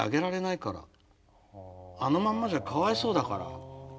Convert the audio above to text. あのまんまじゃかわいそうだから。